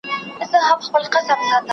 قانون ماتوونکي د ټولنې خلاف عمل کوي.